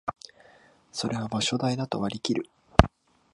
それは場所代だと割りきる